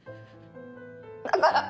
だから。